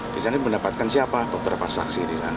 di sana mendapatkan siapa beberapa saksi